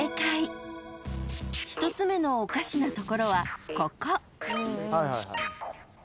［１つ目のおかしなところはここ］